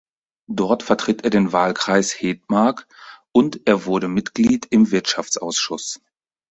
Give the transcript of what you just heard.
Dort vertritt er den Wahlkreis Hedmark und er wurde Mitglied im Wirtschaftsausschuss.